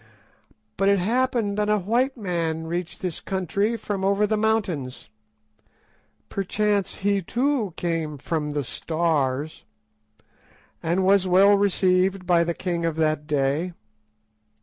But it happened that a white man reached this country from over the mountains—perchance he too came 'from the Stars'—and was well received by the king of that day.